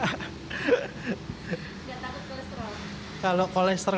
nggak takut kolesterol